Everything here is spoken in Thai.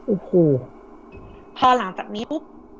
อุคูห่ะพอหลังจากนี้ปุ๊บ